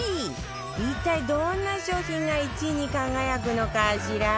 一体どんな商品が１位に輝くのかしら？